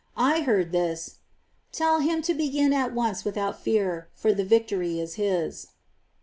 I heard this :*' Tell him to begin at once without fear, for the victory is his."